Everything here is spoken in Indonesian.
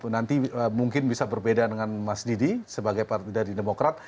nanti mungkin bisa berbeda dengan mas didi sebagai partai dari demokrat